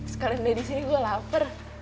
sekalian dari sini gue lapar